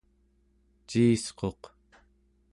ciisquq